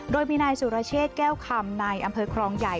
โดยมีนายสุรเชษแก้วคำในอำเภอครองใหญ่